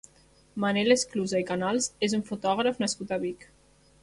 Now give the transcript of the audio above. Manel Esclusa i Canals és un fotògraf nascut a Vic.